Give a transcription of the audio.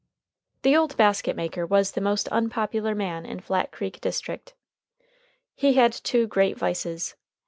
The old basket maker was the most unpopular man in Flat Creek district. He had two great vices.